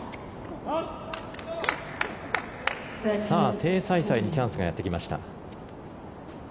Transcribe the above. テイ・サイサイにチャンスがやってきました。